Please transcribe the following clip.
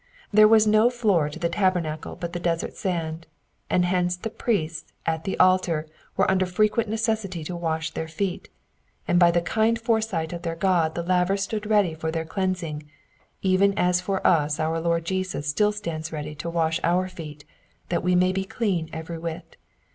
There was no floor to the tabernacle but the desert sand, and hence the priests at the altar were under frequent necessity to wash their feet, and by the kind foresight of their God the laver stood ready for their cleansing, even as for us oiur Lord Jesus still stands ready to wash our feet, that we may be clean every whit.